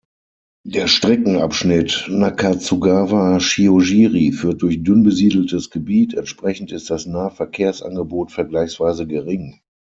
Der Streckenabschnitt Nakatsugawa–Shiojiri führt durch dünn besiedeltes Gebiet, entsprechend ist das Nahverkehrsangebot vergleichsweise gering.